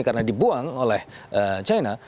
karena dibuang oleh china